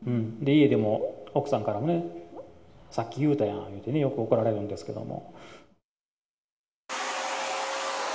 家でも奥さんからね、さっき言うたやんいうてね、よく怒られるんですけれども。